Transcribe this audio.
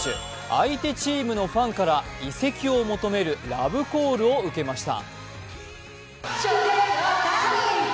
相手チームのファンから移籍を求めるラブコールを受けました。